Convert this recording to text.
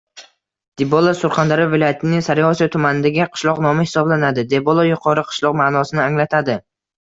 Dibola - Surxondaryo viloyatining Sariosiyo tumanidagi qishloq nomi hisoblanadi. Debolo – “Yuqori qishloq” ma’nosini anglatadi.